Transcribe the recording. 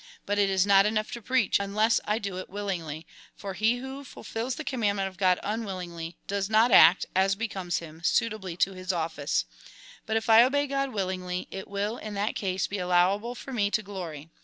But it is not enough to preach, unless I do it willingly ; for he who ful fils the commandment of God unwillingly, does not act, as becomes him, suitably to his office. But if I obey God willingly, it will in that case be allowable for me to glory.